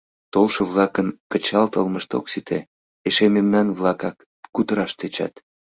Толшо-влакын кычалтылмышт ок сите, эше мемнан-влакак кутыраш тӧчат.